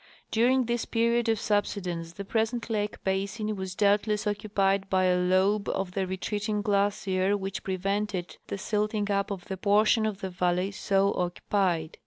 During this period of subsidence the present lake basin was doubtless occu pied by a lobe of the retreating glacier which prevented the silting up of the portion of the valley so occupied.